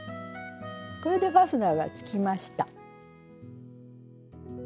これでファスナーがつきました。